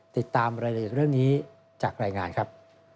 ติดตามรายละเอียดเรื่องนี้จากรายงานครับ